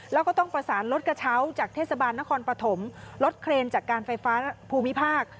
แล้วก็ต้องประสานรถกระเช้าจากเทศบาลนครปฐมรถเครนจากการไฟฟ้าภูมิภาค